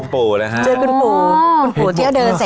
ผู้เลยฮะ